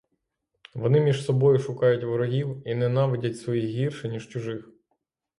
Вони між собою шукають ворогів і ненавидять своїх гірше, ніж чужих.